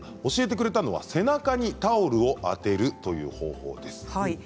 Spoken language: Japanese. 教えてくれたのは背中にタオルを当てるという方法です。